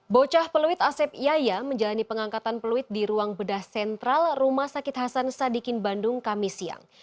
bocah peluit asep yaya menjalani pengangkatan peluit di ruang bedah sentral rumah sakit hasan sadikin bandung kami siang